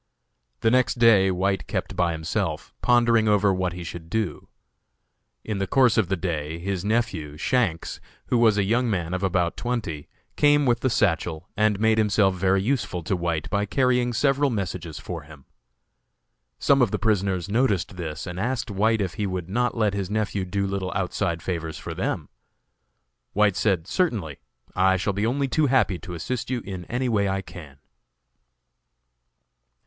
The next day White kept by himself, pondering over what he should do. In the course of the day his nephew, Shanks, who was a young man of about twenty, came with the satchel, and made himself very useful to White by carrying several messages for him. Some of the prisoners noticed this and asked White if he would not let his nephew do little outside favors for them. White said "Certainly, I shall be only too happy to assist you in any way I can."